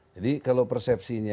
jadi kalau persepsinya